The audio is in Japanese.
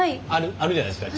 あるじゃないですか。